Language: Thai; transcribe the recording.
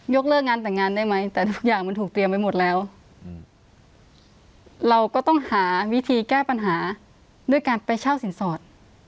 เลิกงานแต่งงานได้ไหมแต่ทุกอย่างมันถูกเตรียมไว้หมดแล้วเราก็ต้องหาวิธีแก้ปัญหาด้วยการไปเช่าสินสอด